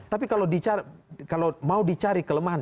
tapi kalau mau dicari kelemahan